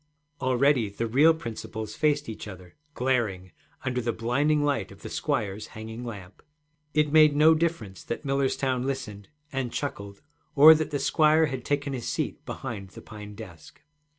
Already the real principals faced each other, glaring, under the blinding light of the squire's hanging lamp. It made no difference that Millerstown listened and chuckled or that the squire had taken his seat behind the pine desk.